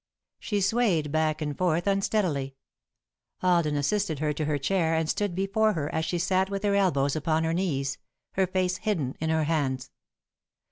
She swayed back and forth unsteadily. Alden assisted her to her chair and stood before her as she sat with her elbows upon her knees, her face hidden in her hands.